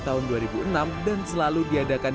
tahun dua ribu enam dan selalu diadakan